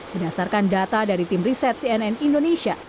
berdasarkan data dari tim riset cnn indonesia